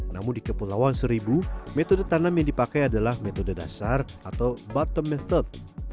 namun di kepulauan seribu metode tanam yang dipakai adalah metode dasar atau bottom meset